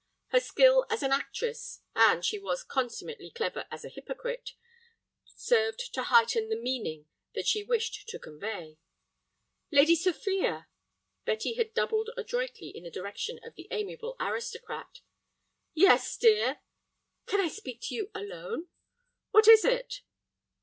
Her skill as an actress—and she was consummately clever as a hypocrite—served to heighten the meaning that she wished to convey. "Lady Sophia." Betty had doubled adroitly in the direction of the amiable aristocrat. "Yes, dear—" "Can I speak to you alone?" "What is it?"